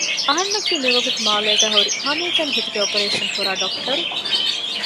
އަހަންނަކީ މިވަގުތު މާލޭގައި ހުރި ހަމައެކަނި ހިތުގެ އޮޕަރޭޝަން ކުރާ ޑޮކްޓަރު